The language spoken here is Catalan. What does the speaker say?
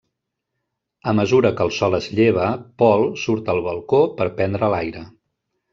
A mesura que el sol es lleva, Paul surt al balcó per prendre l'aire.